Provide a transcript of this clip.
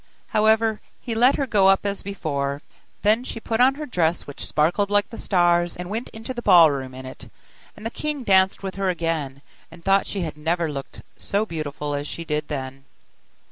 However, he let her go up as before. Then she put on her dress which sparkled like the stars, and went into the ball room in it; and the king danced with her again, and thought she had never looked so beautiful as she did then.